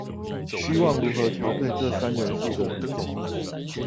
希望如何調配這三元素的比重